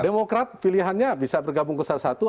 demokrat pilihannya bisa bergabung ke salah satu